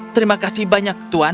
terima kasih banyak tuhan